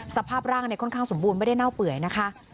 สภาพร่างค่อนข้างสมบูรณ์ไม่ได้เน่าเปื่อยนะคะ